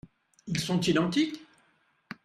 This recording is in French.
Ils sont identiques ?